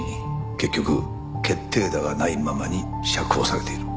結局決定打がないままに釈放されている。